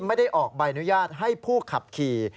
ไม่ได้ออกใบอนุญาตให้ผู้ขับขี่